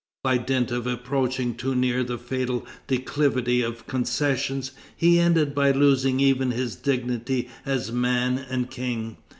By dint of approaching too near the fatal declivity of concessions, he ended by losing even his dignity as man and King.